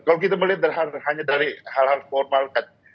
kalau kita melihat hanya dari hal hal formalkan